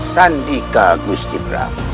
sandika gusti prapu